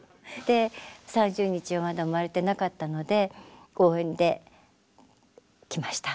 ３０日はまだ産まれてなかったので応援で来ました。